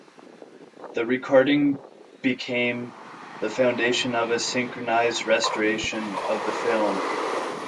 The recording became the foundation of a "synchronized restoration" of the film.